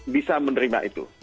bisa menerima itu